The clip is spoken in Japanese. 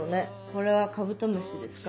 「これはカブトムシですか？」